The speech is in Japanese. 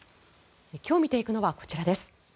今日見ていくのはこちらです。